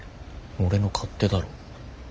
俺の勝手だろ。